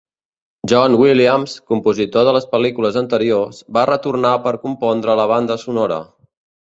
John Williams, compositor de les pel·lícules anteriors, va retornar per compondre la banda sonora.